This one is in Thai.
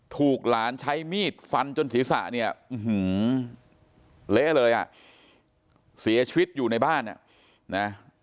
ถูกหลานใช้มีดฟันจนศีรษะเนี่ยเละเลยอ่ะเสียชีวิตอยู่ในบ้านอ่ะนะ